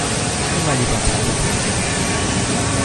Nimm mal lieber Panzertape mit.